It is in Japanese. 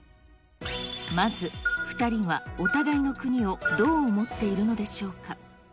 まず、２人はお互いの国をどう思っているのでしょうか。